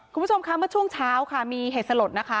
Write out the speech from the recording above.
คุณผู้ชมค่ะเมื่อช่วงเช้าค่ะมีเหตุสลดนะคะ